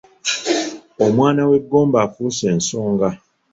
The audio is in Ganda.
Omwana w’e Gomba afuuse ensonga.